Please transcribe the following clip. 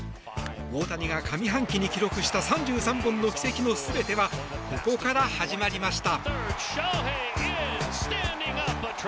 大谷が上半期に記録した３３本の軌跡の全てはここから始まりました。